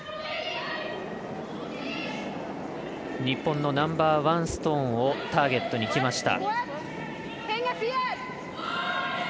日本のナンバーワンストーンをターゲットにきました。